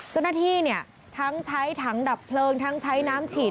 เจ้าหน้าที่ทั้งใช้ถังดับเพลิงทั้งใช้น้ำฉีด